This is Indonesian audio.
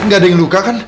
gak ada yang luka kan